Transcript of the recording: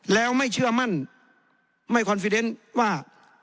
แล้วไม่เชื่อมั่นไม่คอนฟิเดนว่า